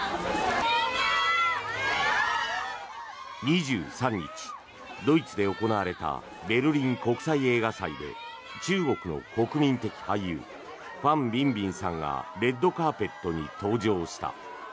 ２３日、ドイツで行われたベルリン国際映画祭で中国の国民的俳優ファン・ビンビンさんがレッドカーペットに登場した。